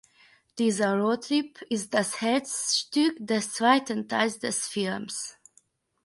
Dieser Roadtrip ist das Herzstück des zweiten Teils des Films.